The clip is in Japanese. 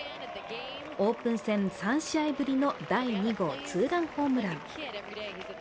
オープン戦３試合ぶりの第２号ツーランホームラン。